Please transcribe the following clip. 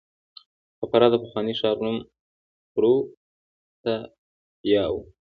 د فراه د پخواني ښار نوم پروفتاسیا و